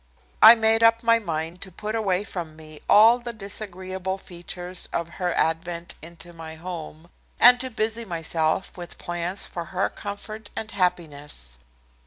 I made up my mind to put away from me all the disagreeable features of her advent into my home, and to busy myself with plans for her comfort and happiness.